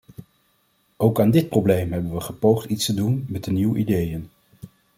Ook aan dit probleem hebben we gepoogd iets te doen met de nieuwe ideeën.